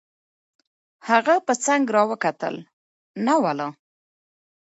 هغه په څنګ را وکتل: نه والله.